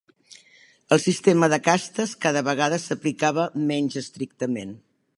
El sistema de castes cada vegada s'aplicava menys estrictament.